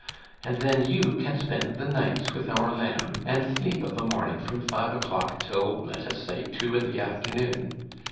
And then you can spend the nights with our lamb, and sleep of a morning from five o'clock till, let us say, two in the afternoon.